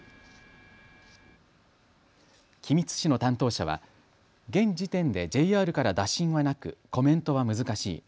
君津市の担当者は現時点でＪＲから打診はなくコメントは難しい。